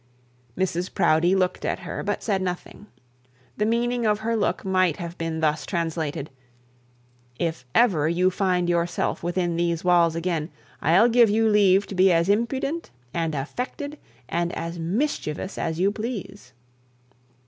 Mrs Proudie looked at her, but said nothing. The meaning of her look might have been translated: 'If ever you find yourself within these walls again, I'll give you leave to be as impudent and affected, and as mischievous as you please.'